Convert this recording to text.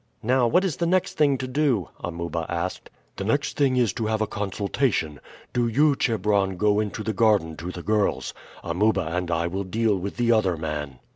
"Now, what is the next thing to do?" Amuba asked. "The next thing is to have a consultation. Do you, Chebron, go out into the garden to the girls. Amuba and I will deal with the other man."